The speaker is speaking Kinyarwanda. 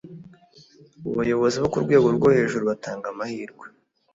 abayobozi bo ku rwego rwo hejuru batanga amahirwe